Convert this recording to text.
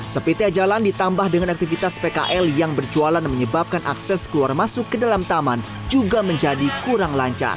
sepitia jalan ditambah dengan aktivitas pkl yang berjualan dan menyebabkan akses keluar masuk ke dalam taman juga menjadi kurang lancar